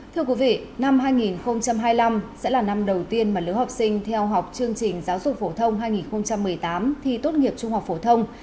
thưa quý vị năm hai nghìn hai mươi năm sẽ là năm đầu tiên mà lứa học sinh theo học chương trình giáo dục phổ thông hai nghìn một mươi tám thi tốt nghiệp trung học phổ thông